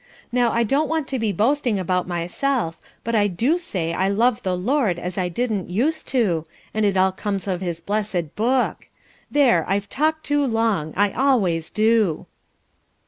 Now I don't want to be boasting about myself, but I do say I love the Lord as I didn't used to, and it all comes of his blessed Book. There, I've talked too long! I always do."